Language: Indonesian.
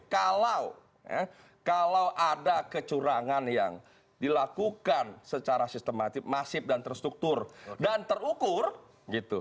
kalau ada kecurangan yang dilakukan secara sistematik masif dan terstruktur dan terukur gitu